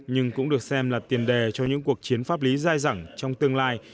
nhưng cũng được xem là tiền đề cho những cuộc chiến pháp lý dai dẳng trong tương lai